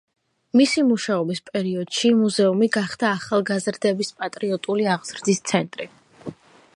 მისი მუშაობის პერიოდში მუზეუმი გახდა ახალგაზრდების პატრიოტული აღზრდის ცენტრი.